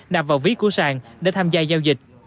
nạp vào ví của sàn để tham gia giao dịch